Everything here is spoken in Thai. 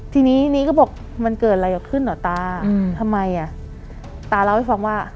ทีนี้นี้ก็บอกมันเกิดอะไรขึ้นเหรอตาทำไมอ่ะตาเล่าให้ฟังว่า